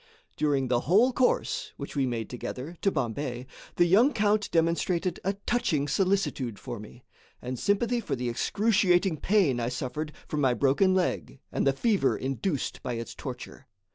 During the whole course, which we made together, to Bombay, the young count demonstrated a touching solicitude for me, and sympathy for the excruciating pain I suffered from my broken leg and the fever induced by its torture.